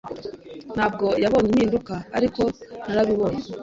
Ntabwo yabonye impinduka, ariko narabibonye.